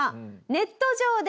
ネットで？